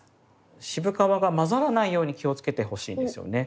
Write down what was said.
渋皮が混ざらないように気をつけてほしいんですよね。